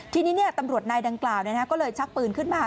ทีนี้ตำรวจนายดังกล่าวก็เลยชักปืนขึ้นมา